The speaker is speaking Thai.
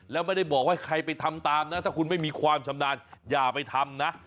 แล้วไม่ได้บอกว่าใครไปทำตามนะถ้าคุณไม่มีความชำนาญอย่าไปทำนะ